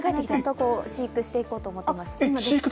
飼育していこうと思っています。